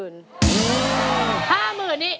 ๕๐๐๐นี่